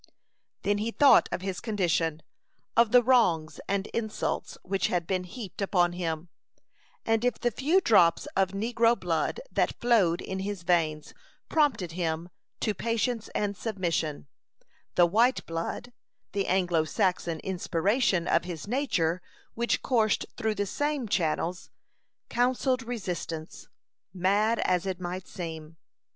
Then he thought of his condition, of the wrongs and insults which had been heaped upon him; and if the few drops of negro blood that flowed in his veins prompted him to patience and submission, the white blood, the Anglo Saxon inspiration of his nature, which coursed through the same channels, counselled resistance, mad as it might seem.